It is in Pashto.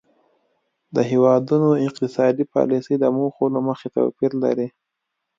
د هیوادونو اقتصادي پالیسۍ د موخو له مخې توپیر لري